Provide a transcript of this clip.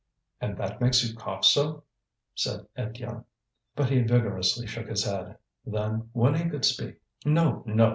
"And that makes you cough so?" said Étienne. But he vigorously shook his head. Then, when he could speak: "No, no!